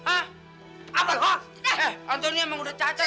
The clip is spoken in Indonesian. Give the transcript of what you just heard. apel eh anton ini emang udah cacat kan